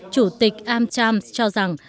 chủ tịch amtams cho rằng